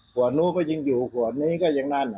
หัวนู้นก็ยังอยู่หัวนี้ก็ยังนั้น